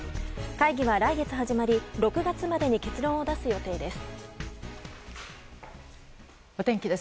会議は来月始まり６月までに結論を出す予定です。